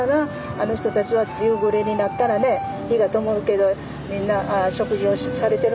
あの人たちは夕暮れになったらね灯がともるけどみんな食事をされてるのかなとかね